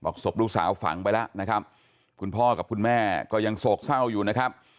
ศพลูกสาวฝังไปแล้วนะครับคุณพ่อกับคุณแม่ก็ยังโศกเศร้าอยู่นะครับ